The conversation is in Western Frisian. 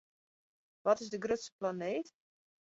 Wat is de grutste planeet?